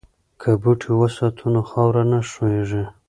که بوټي وساتو نو خاوره نه ښویېږي.